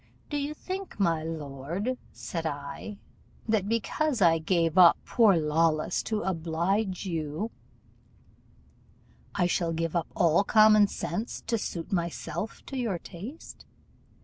'Do you think, my lord,' said I, 'that because I gave up poor Lawless to oblige you, I shall give up all common sense to suit myself to your taste?